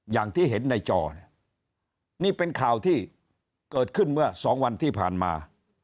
อย่างที่เห็นในจอเนี่ยนี่เป็นข่าวที่เกิดขึ้นเมื่อสองวันที่ผ่านมา